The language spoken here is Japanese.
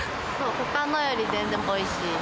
ほかのより全然おいしい。